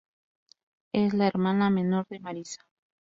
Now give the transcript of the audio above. Es la hermana menor de Marisa.